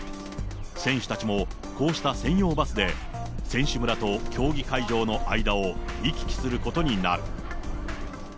選手たちも、こうした専用バスで、選手村と競技会場の間を、行き来することになる。